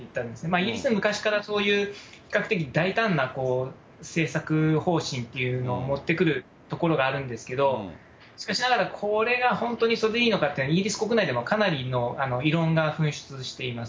イギリスは昔から、そういう比較的大胆な政策方針というのを持ってくるところがあるんですけど、しかしながら、これが本当にそれでいいのかというのは、イギリス国内でも、かなりの異論が噴出してます。